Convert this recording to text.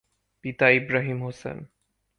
পিতা ইবরাহিম হোসেন।